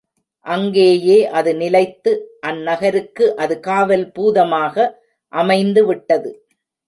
அங்கேயே அது நிலைத்து அந்நகருக்கு அது காவல் பூதமாக அமைந்து விட்டது.